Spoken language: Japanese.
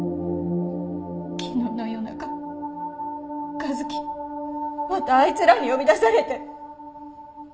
昨日の夜中和樹またあいつらに呼び出されて。